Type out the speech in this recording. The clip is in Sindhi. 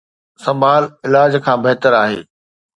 سنڀال علاج کان بهتر آهي.